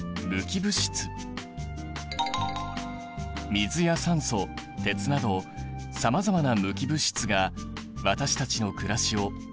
水や酸素鉄などさまざまな無機物質が私たちの暮らしを支えている。